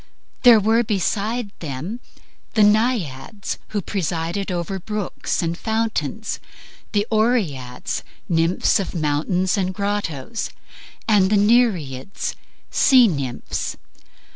There were beside them the Naiads, who presided over brooks and fountains, the Oreads, nymphs of mountains and grottos, and the Nereids, sea nymphs.